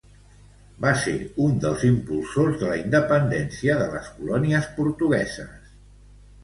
Va ser un dels impulsors de la independència de les colònies portugueses.